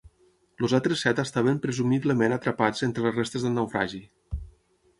Els altres set estaven presumiblement atrapats entre les restes del naufragi.